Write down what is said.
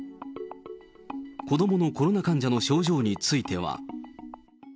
子どものコロナ患者の症状については。